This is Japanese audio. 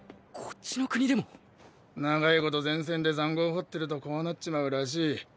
こっちの国でも⁉長いこと前線で塹壕掘ってるとこうなっちまうらしい。